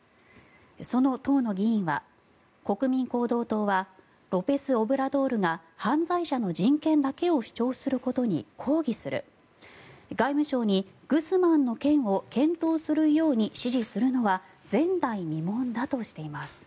その党の議員は、国民行動党はロペス・オブラドールが犯罪者の人権だけを主張することに抗議する外務省にグスマンの件を検討するように指示するのは前代未聞だとしています。